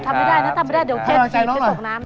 พี่แหวททำไม่ได้นะทำไม่ได้เดี๋ยวเจ็บไปตกน้ำ